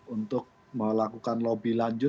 untuk melakukan lobby lanjut